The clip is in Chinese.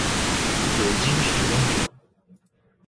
酒精使用者